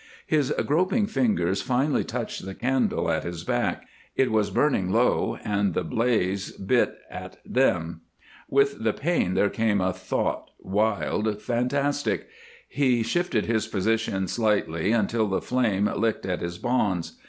His groping fingers finally touched the candle at his back; it was burning low, and the blaze bit at them. With the pain there came a thought, wild, fantastic; he shifted his position slightly until the flame licked at his bonds.